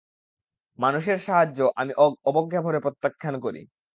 মানুষের সাহায্য আমি অবজ্ঞাভরে প্রত্যাখ্যান করি।